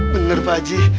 bener pak haji